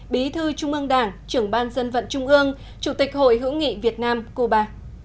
bí thư trung ương đảng trưởng ban dân vận trung ương chủ tịch hội hữu nghị việt nam cuba